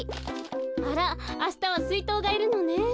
あらあしたはすいとうがいるのね。